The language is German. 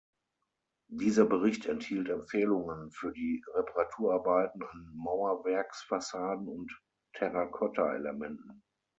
Dieser Bericht enthielt Empfehlungen für die Reparaturarbeiten an Mauerwerksfassaden und Terrakotta-Elementen.